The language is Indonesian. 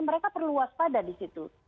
mereka perlu waspada di situ